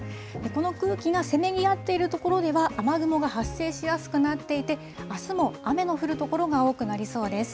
この空気がせめぎ合っている所では、雨雲が発生しやすくなっていて、あすも雨の降る所が多くなりそうです。